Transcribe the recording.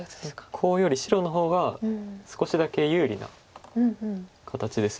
コウより白の方が少しだけ有利な形です。